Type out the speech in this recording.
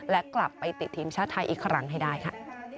และกลับไปติดทีมชาติไทยอีกครั้งให้ได้ค่ะ